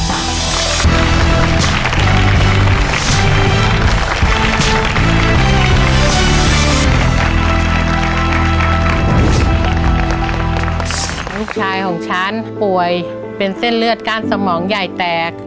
ลูกชายของฉันป่วยเป็นเส้นเลือดก้านสมองใหญ่แตก